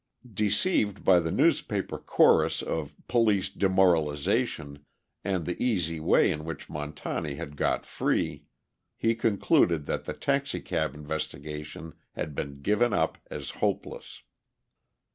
Deceived by the newspaper chorus of "police demoralization," and the easy way in which Montani had got free, he concluded that the taxicab investigation had been given up as hopeless.